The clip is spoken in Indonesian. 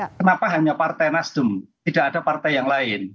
kenapa hanya partai nasdem tidak ada partai yang lain